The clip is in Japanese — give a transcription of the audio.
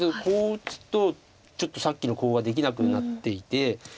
こう打つとちょっとさっきのコウはできなくなっていて。